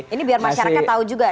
ini biar masyarakat tahu juga